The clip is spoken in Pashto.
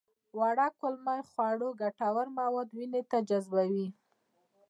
وړه کولمه د خوړو ګټور مواد وینې ته جذبوي